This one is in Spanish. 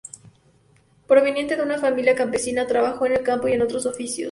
Proveniente de una familia campesina, trabajó en el campo y en otros oficios.